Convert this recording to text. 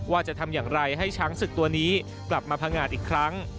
ว่าจะทำอย่างไรให้ช้างศึกตัวนี้กลับมาพังงาดอีกครั้ง